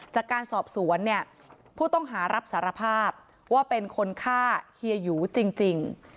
จากการสอบสวนเนี่ยผู้ต้องหารับสารภาพว่าเป็นคนฆ่าเฮียหยูจริง